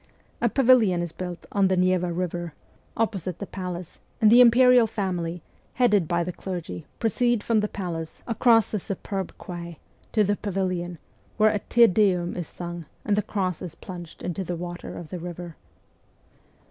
A pavilion is built on the Neva Eiver, opposite 172 MEMOIRS OF A REVOLUTIONIST the palace, and the imperial family, headed by the clergy, proceed from the palace, across the superb quay, to the pavilion, where a Te Deum is sung and the cross is plunged into the water of the river.